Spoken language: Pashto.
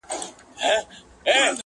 هري درې مياشتي ميدان كي غونډېدله،